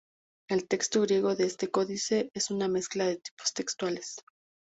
El texto griego de este códice es una mezcla de tipos textuales.